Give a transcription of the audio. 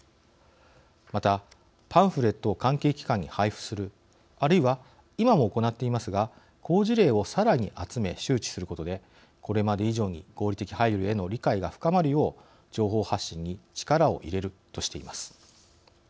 またパンフレットを関係機関に配布するあるいは今も行っていますが好事例をさらに集め周知することでこれまで以上に合理的配慮への理解が深まるよう情報発信に力を入れるとしています。